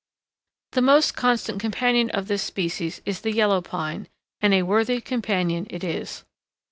The most constant companion of this species is the Yellow Pine, and a worthy companion it is.